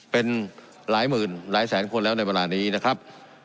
เป็นหลายหมื่นหลายแสนคนแล้วในเวลานี้นะครับ